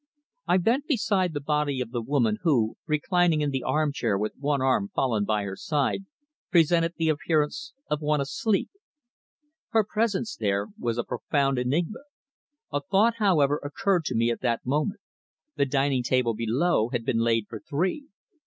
I bent beside the body of the woman who, reclining in the armchair with one arm fallen by her side, presented the appearance of one asleep. Her presence there was a profound enigma. A thought, however, occurred to me at that moment. The dining table below had been laid for three.